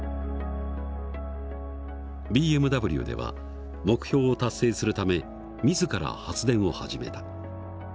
ＢＭＷでは目標を達成するため自ら発電を始めた。